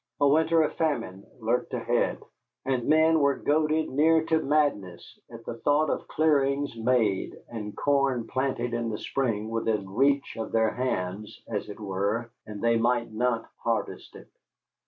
A winter of famine lurked ahead, and men were goaded near to madness at the thought of clearings made and corn planted in the spring within reach of their hands, as it were, and they might not harvest it.